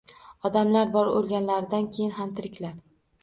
Odamlar bor: o‘lganlaridan keyin ham tiriklar.